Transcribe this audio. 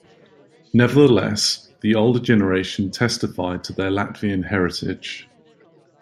Nevertheless, the older generation testified to their Latvian heritage.